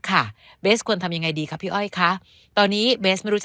เบสควรทำยังไงดีคะพี่อ้อยคะตอนนี้เบสไม่รู้จะ